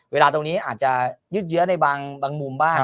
เวลาตรงนี้อาจจะยืดเยื้อในบางมุมบ้าง